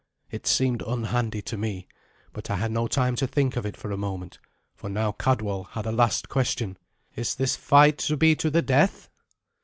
It seemed unhandy to me, but I had no time to think of it for a moment, for now Cadwal had a last question. "Is this fight to be to the death?"